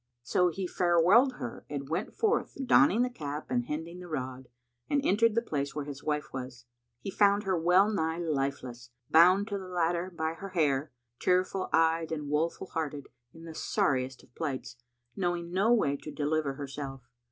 So he farewelled her and went forth, donning the cap and hending the rod, and entered the place where his wife was. He found her well nigh lifeless, bound to the ladder by her hair, tearful eyed and woeful hearted, in the sorriest of plights, knowing no way to deliver herself.